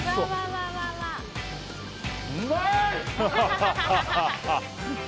うまい！